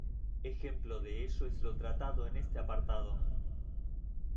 Ejemplo de ello es lo tratado en este apartado.